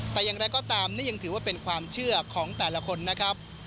แต่อย่างไรก็ตามนี่ยังถือว่าเป็นความเชื่อของแต่ละคนนะครับ